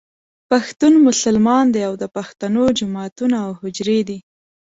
پښتون مسلمان دی او د پښتنو جوماتونه او حجرې دي.